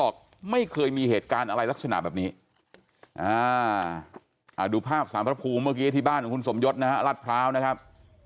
ดูภาพศาลพระภูมิเมื่อกี้ที่บ้านของคุณสมยศนะฮะลาดพร้าวนะครับ